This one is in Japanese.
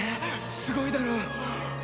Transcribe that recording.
すごいだろう！